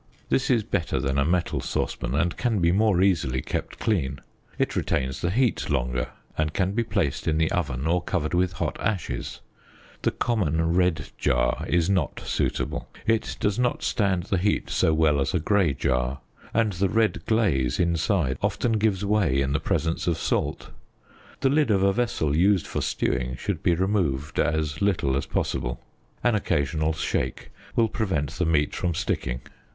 This is better than a metal saucepan, and can be more easily kept clean; it retains the heat longer, and can be placed in the oven or covered with hot ashes. The common red jar is not suitable; it does not stand the heat so well as a grey jar; and the red glaze inside often gives way in the presence of salt. The lid of a vessel used for stewing should be re moved as little as possible. An occasional shake will prevent the meat from sticking.